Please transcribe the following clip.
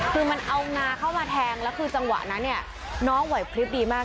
คือมันเอางาเข้ามาแทงแล้วคือจังหวะนั้นเนี่ยน้องไหวพลิบดีมาก